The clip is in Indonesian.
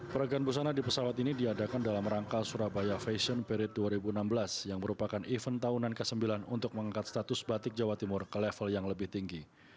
peragaan busana di pesawat ini diadakan dalam rangka surabaya fashion period dua ribu enam belas yang merupakan event tahunan ke sembilan untuk mengangkat status batik jawa timur ke level yang lebih tinggi